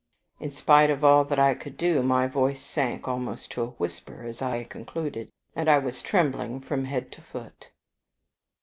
In spite of all that I could do, my voice sank almost to a whisper as I concluded, and I was trembling from head to foot.